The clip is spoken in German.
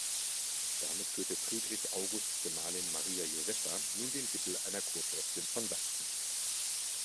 Damit führte Friedrich Augusts Gemahlin Maria Josepha nun den Titel einer Kurfürstin von Sachsen.